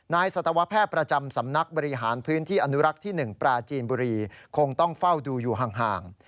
สัตวแพทย์ประจำสำนักบริหารพื้นที่อนุรักษ์ที่๑ปราจีนบุรีคงต้องเฝ้าดูอยู่ห่าง